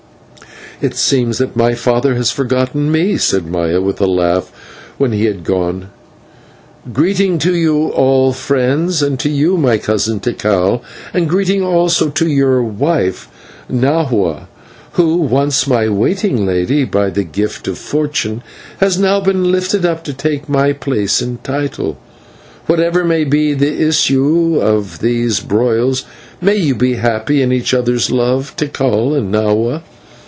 "It seems that my father has forgotten me," said Maya, with a laugh, when he had gone. "Greeting to you all, friends, and to you, my cousin Tikal, and greeting also to your wife, Nahua, who, once my waiting lady, by the gift of fortune has now been lifted up to take my place and title. Whatever may be the issue of these broils, may you be happy in each other's love, Tikal and Nahua."